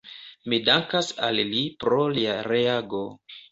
Mi dankas al li pro lia reago.